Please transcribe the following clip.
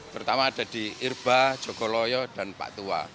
pertama ada di irba jogoloyo dan pak tua